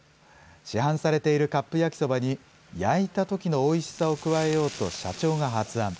市販されているカップ焼きそばに、焼いたときのおいしさを加えようと、社長が発案。